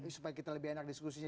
supaya kita lebih enak diskusinya